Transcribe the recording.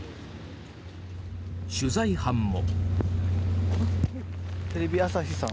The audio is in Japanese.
取材班も。